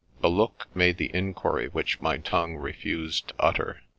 A look made the inquiry which my tongue refused to utter.